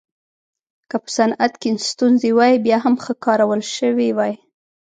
که په صنعت کې ستونزې وای بیا هم ښه کارول شوې وای